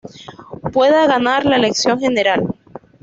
Pueda ganar la elección general.